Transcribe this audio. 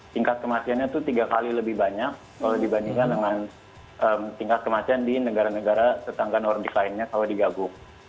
tingkat kematiannya itu tiga kali lebih banyak kalau dibandingkan dengan tingkat kematian di negara negara tetangga nordik lainnya kalau digaguk